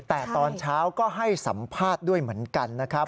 แต่ตอนเช้าก็ให้สัมภาษณ์ด้วยเหมือนกันนะครับ